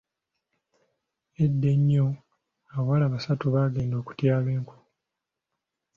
Edda ennyo, abawala basatu baagenda okutyaba enku.